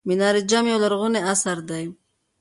منار جام یو لرغونی اثر دی.